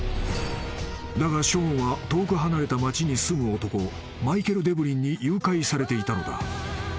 ［だがショーンは遠く離れた町に住む男マイケル・デブリンに誘拐されていたのだ］